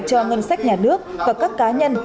cho ngân sách nhà nước và các cá nhân